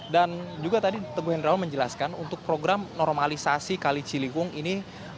dan juga tadi teguh hendrawan menjelaskan untuk program normalisasi kali ciliwung ini